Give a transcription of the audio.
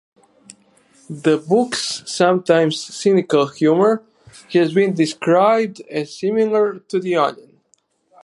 The book's sometimes cynical humor has been described as similar to The Onion.